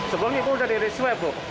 sebelumnya bu udah diresweb bu